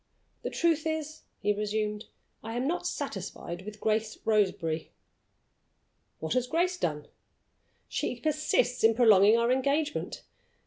"The truth is," he resumed, "I am not satisfied with Grace Roseberry." "What has Grace done?" "She persists in prolonging our engagement.